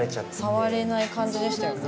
触れない感じでしたよね